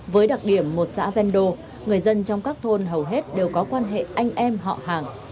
với đặc điểm một xã ven đô người dân trong các thôn hầu hết đều có quan hệ anh em họ hàng